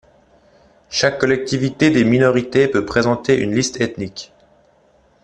Chaque collectivité des minorités peut présenter une liste ethnique.